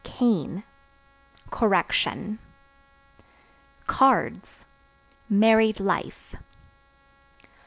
Cane Correction. Cards Married life.